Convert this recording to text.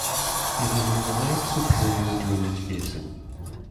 It is in the Lake Superior drainage basin.